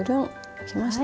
できました。